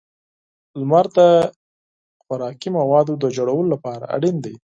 • لمر د خوراکي موادو د جوړولو لپاره اړین دی.